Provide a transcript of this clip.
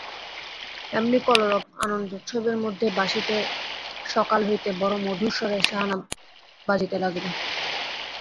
এমনি কলরব আনন্দোৎসবের মধ্যে বাঁশিতে সকাল হইতে বড়ো মধুর স্বরে সাহানা বাজিতে লাগিল।